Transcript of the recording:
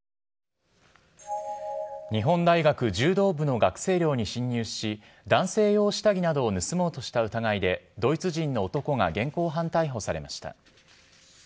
日本大学柔道部の学生寮に侵入し、男性用下着などを盗もうとした疑いで、ドイツ人の男が現行犯逮捕されました。